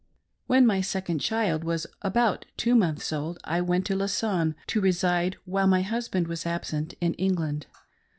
When my second child was about two months old, I went to Lausanne, to reside, while my husband was absent in England.